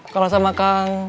kalau sama kang